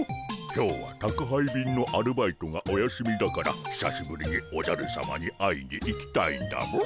今日は宅配便のアルバイトがお休みだからひさしぶりにおじゃるさまに会いに行きたいんだモ。